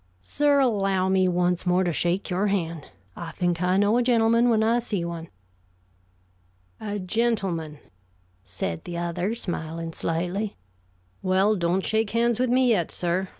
Sir, allow me once more to shake your hand. I think I know a gentleman when I see one." "A gentleman," said the other, smiling slightly. "Well, don't shake hands with me yet, sir.